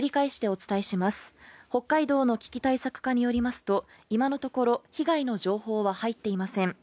北海道の危機対策課によりますと、今のところ被害の情報は入っていません。